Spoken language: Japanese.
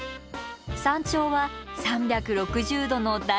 山頂は３６０度の大パノラマ。